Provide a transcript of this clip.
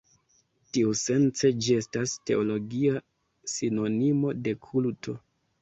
Tiusence ĝi estas teologia sinonimo de kulto.